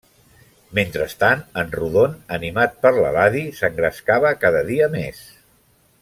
Mentrestant, en Rodon, animat per l'Eladi, s'engrescava cada dia més.